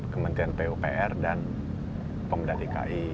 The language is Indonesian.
kementerian pupr dan pemdadik ki